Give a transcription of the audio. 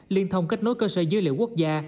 liên thông kết nối cơ sở dữ liệu quốc gia